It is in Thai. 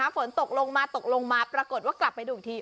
ฝนตกลงมาปรากฏว่ากลับไปหนึ่งที